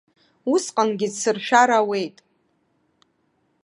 Усҟангьы дсыршәар ауеит.